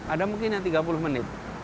ada mungkin yang tiga puluh menit